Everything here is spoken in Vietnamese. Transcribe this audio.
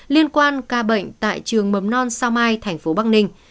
liên quan ca bệnh tại trường mầm non sao mai thành phố bắc ninh